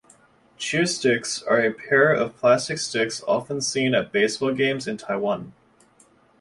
Cheersticks are a pair of plastic sticks, often seen at baseball games in Taiwan.